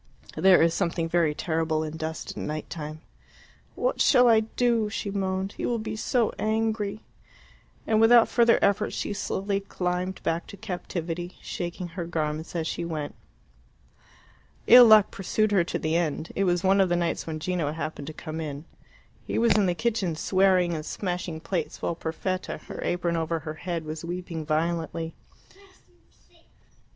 There is something very terrible in dust at night time. "What shall I do?" she moaned. "He will be so angry." And without further effort she slowly climbed back to captivity, shaking her garments as she went. Ill luck pursued her to the end. It was one of the nights when Gino happened to come in. He was in the kitchen, swearing and smashing plates, while Perfetta, her apron over her head, was weeping violently.